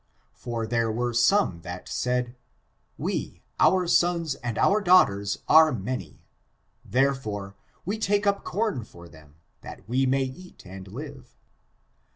For there were (some) that said : we, our sons and our daughters are many ; therefore, we take up corn for them, that we may eat and live.